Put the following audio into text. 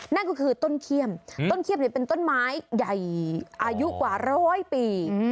นั่นก็คือต้นเขี้ยมต้นเขี้ยมเป็นต้นไม้ใหญ่อายุกว่าร้อยปี